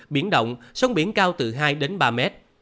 biển động sông biển cao từ hai ba mét